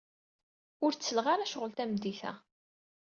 Ur ttleɣ ara ccɣel tameddit-a.